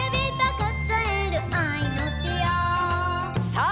さあ